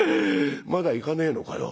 まだ行かねえのかよ。